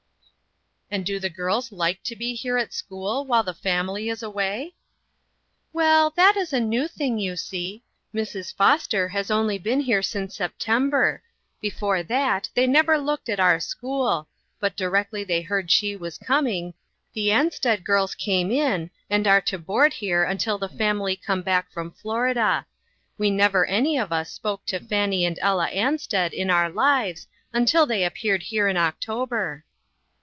"And do the girls like to be here at school while the family is away ?"" Well, that is a new thing, you see. Mrs. Foster has only been here since Sep tember. Before that, they never looked at our school ; but directly they heard she was coming, the Ansted girls came in, and are OUTSIDE THE CIRCLE. 13! to board here until the family come back from Florida. We never any of us spoke to Fannie and Ella Ansted in our lives until they appeared here in October."